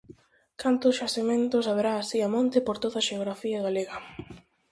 Cantos xacementos haberá así, "a monte", por toda a xeografía galega.